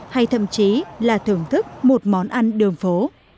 hay thậm chí là thưởng thức một món ăn đường phố